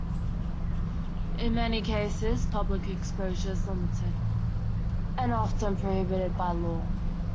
In many cases, public exposure is limited, and often prohibited by law.